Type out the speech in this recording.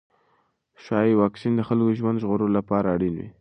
ښايي واکسین د خلکو د ژوند ژغورلو لپاره اړین وي.